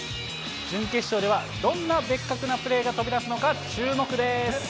準決勝では、どんなベッカクなプレーが飛び出すのか注目です。